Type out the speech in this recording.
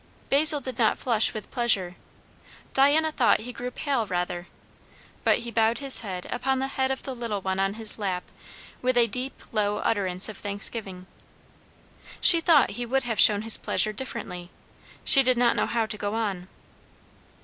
Basil did not flush with pleasure. Diana thought he grew pale, rather; but he bowed his head upon the head of the little one on his lap with a deep low utterance of thanksgiving. She thought he would have shown his pleasure differently. She did not know how to go on.